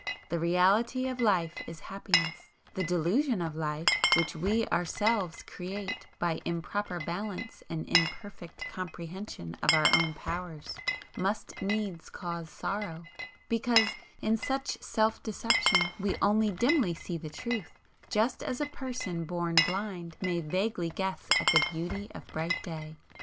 The Reality of Life is Happiness; the Delusion of Life, which we ourselves create by improper balance and imperfect comprehension of our own powers, must needs cause Sorrow, because in such self deception we only dimly see the truth, just as a person born blind may vaguely guess at the beauty of bright day.